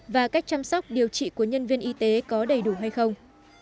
và cách chăm sóc điều trị của nhân viên y tế có đầy đủ hay không